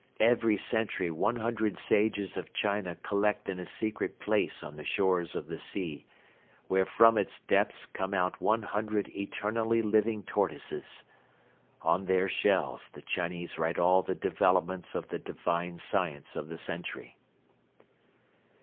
Every century one hundred sages of China collect in a secret place on the shores of the sea, where from its depths come out one hundred eternally living tortoises. On their shells the Chinese write all the developments of the divine science of the century."